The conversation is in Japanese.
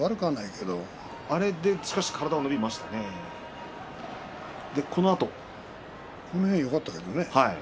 しかしあれでこの辺よかったけどね。